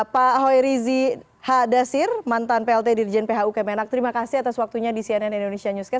pak hoirizi h dasir mantan plt dirjen phu kemenak terima kasih atas waktunya di cnn indonesia newscast